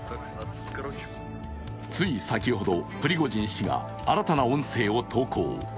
つい先ほど、プリゴジン氏が新たな音声を投稿。